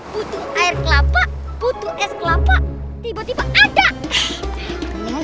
butuh air kelapa butuh es kelapa tiba tiba ada